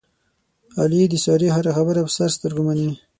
علي د سارې هره خبره په سر سترګو مني.